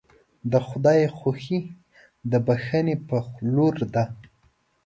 د خدای خوښي د بښنې په لور ده.